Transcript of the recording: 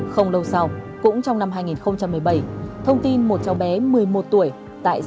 không lâu sau cũng trong năm hai nghìn một mươi bảy thông tin một cháu bé một mươi một tuổi tại xã